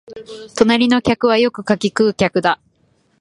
隣の客はよくかき食う客だ